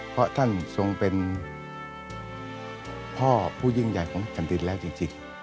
เพราะท่านทรงเป็นพ่อผู้ยิ่งใหญ่ของแผ่นดินแล้วจริง